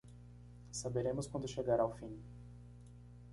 Saberemos quando chegar ao fim